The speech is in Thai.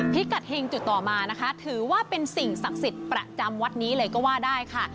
พิกัดเฮงจุดต่อมานะคะถือว่าเป็นสิ่งศักดิ์สิทธิ์ประจำวัดนี้เลยก็ว่าได้ค่ะ